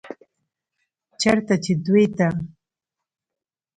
چرته چې دوي ته